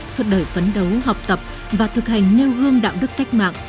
suốt đời phấn đấu học tập và thực hành nêu gương đạo đức cách mạng